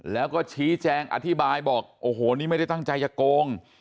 แล้วก็ชี้แจงอธิบายบอกโอ้โหนี่ไม่ได้ตั้งใจจะโกง